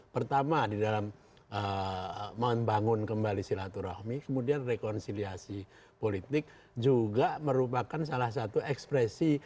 pertama di dalam membangun kembali silaturahmi kemudian rekonsiliasi politik juga merupakan salah satu ekspresi